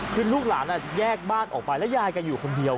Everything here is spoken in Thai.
คือลูกหลานแยกบ้านออกไปแล้วยายก็อยู่คนเดียว